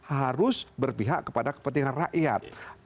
harus berpihak kepada kepentingan rakyat